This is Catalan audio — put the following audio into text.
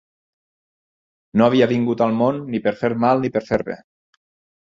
No havia vingut al món ni per fer mal ni per fer bé.